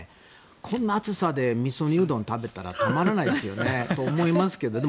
こんな暑さでみそ煮うどんを食べたらたまらないと思いますけどね。